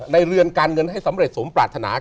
เรือนการเงินให้สำเร็จสมปรารถนา